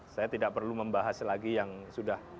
saya tidak perlu membahas lagi yang sudah